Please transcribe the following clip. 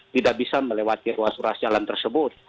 tidak bisa melewati ruas ruas jalan tersebut